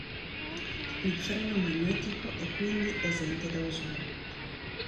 Il freno magnetico è quindi esente da usura.